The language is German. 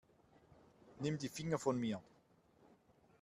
Nimm die Finger von mir.